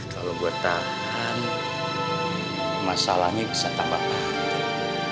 kalau gue tahan masalahnya bisa tambah tahan